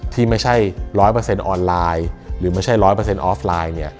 ที่ไม่ใช่๑๐๐ออนไลน์หรือไม่ใช่๑๐๐ออฟไลน์เนี่ย